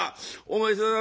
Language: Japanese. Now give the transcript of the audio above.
お前さん